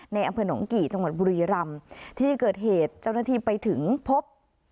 ในอำเภอหนองกี่จังหวัดบุรีรำที่เกิดเหตุเจ้าหน้าที่ไปถึงพบ